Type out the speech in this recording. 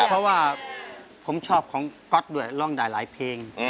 เพราะว่าผมชอบของก๊อตด้วยร้องได้หลายเพลง